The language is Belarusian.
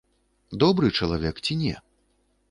Добры чалавек ці не?